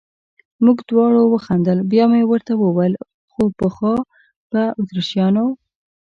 موږ دواړو وخندل، بیا مې ورته وویل: خو پخوا به اتریشیانو.